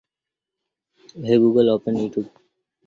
Henry early appeared as a co-ruler of his father.